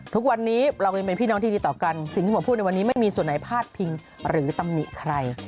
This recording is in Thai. ทุกวันนี้เราก็ยังเป็นพี่น้องที่ดีต่อกันสิ่งที่ผมพูดในวันนี้ไม่มีส่วนไหนพาดพิงหรือตำหนิใคร